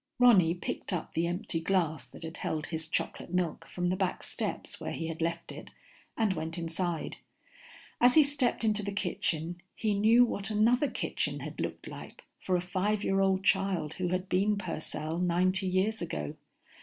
Ronny picked up the empty glass that had held his chocolate milk from the back steps where he had left it and went inside. As he stepped into the kitchen, he knew what another kitchen had looked like for a five year old child who had been Purcell ninety years ago.